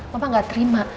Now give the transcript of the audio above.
mama gak terima